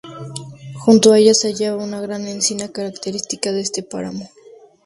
Junto a ella se hallaba una gran encina característica de este páramo.